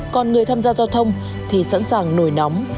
còn người tham gia giao thông thì sẵn sàng nổi nóng